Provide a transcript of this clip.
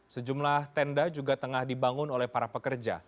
sejumlah tenda juga tengah dibangun oleh para pekerja